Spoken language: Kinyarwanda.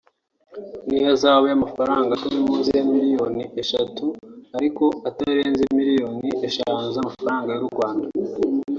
n’ihazabu y’amafaranga atari munsi ya miliyoni eshatu ariko atarenze miliyoni eshanu z’amafaranga y’u Rwanda